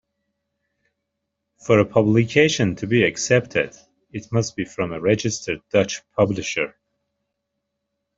For a publication to be accepted, it must be from a registered Dutch publisher.